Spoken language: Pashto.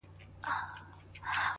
دوه زړونه د يوې ستنې له تاره راوتلي~